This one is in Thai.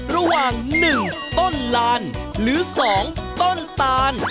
ระหว่าง๑ต้นลานหรือ๒ต้นตาล